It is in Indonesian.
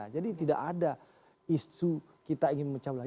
jadi tidak ada isu kita ingin memecah belah